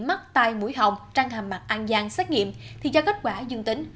mắt tai mũi hồng trăng hàm mặt an giang xét nghiệm thì do kết quả dương tính